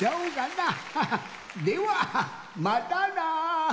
ではまたな！